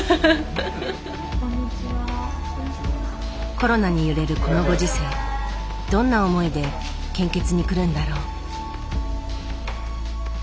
コロナに揺れるこのご時世どんな思いで献血に来るんだろう。